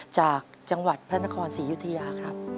จากจังหวัดพระนครศรียุธยาครับ